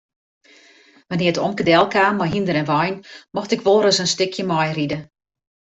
Wannear't omke delkaam mei hynder en wein mocht ik wolris in stikje meiride.